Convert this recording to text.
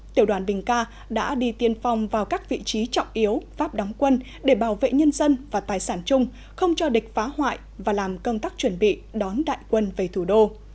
tiểu đoàn bình ca đã đi tiên phong vào các vị trí trọng yếu pháp đóng quân để bảo vệ nhân dân và tài sản chung không cho địch phá hoại và làm công tác chuẩn bị đón đại quân về thủ đô